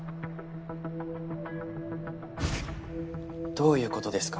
どういうことですか？